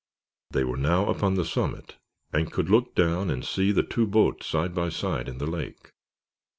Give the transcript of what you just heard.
They were now upon the summit and could look down and see the two boats side by side in the lake.